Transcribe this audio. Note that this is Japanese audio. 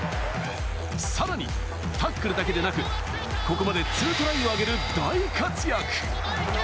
さらにタックルだけでなく、ここまで２トライを挙げる大活躍。